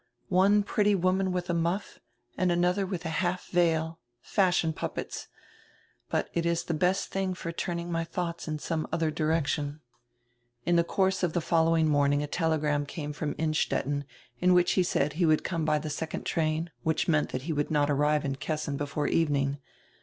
One pretty woman widi a muff and another with a half veil — fashion puppets. But it is die best diing for turning my thoughts in some odier direction." In die course of the following morning a telegram came from Innstetten, in which he said he would come by die second train, which meant diat he would not arrive in Kessin before evening.